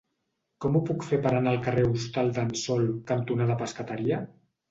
Com ho puc fer per anar al carrer Hostal d'en Sol cantonada Pescateria?